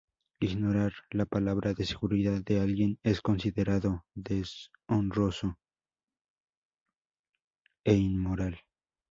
Ignorar la palabra de seguridad de alguien es considerado deshonroso e inmoral.